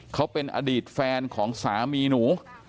เขาเป็นอดีตแฟนของสามีหนู